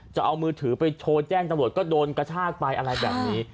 จะเอามือถือไปโชว์แจ้งตำรวจก็โดนกระชากไปอะไรแบบนี้